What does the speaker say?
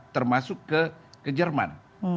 termasuk ke jerman